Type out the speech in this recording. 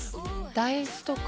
大豆とか？